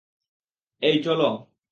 এই, চলো।